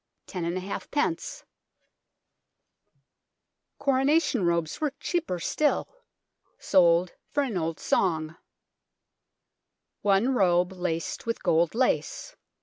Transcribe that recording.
BLOODY TOWER AND REGALIA 101 Coronation robes were cheaper still, sold for an old song : One robe, laced with gold lace